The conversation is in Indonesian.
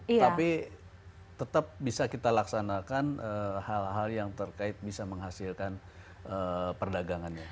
tapi tetap bisa kita laksanakan hal hal yang terkait bisa menghasilkan perdagangannya